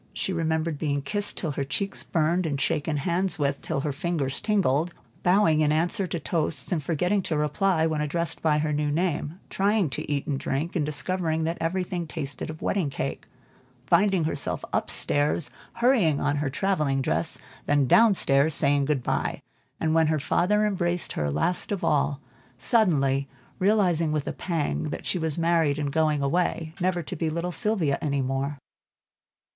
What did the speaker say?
She remembered being kissed till her cheeks burned, and shaken hands with till her fingers tingled; bowing in answer to toasts, and forgetting to reply when addressed by the new name; trying to eat and drink, and discovering that everything tasted of wedding cake; finding herself up stairs hurrying on her travelling dress, then down stairs saying good by; and when her father embraced her last of all, suddenly realizing with a pang, that she was married and going away, never to be little Sylvia any more.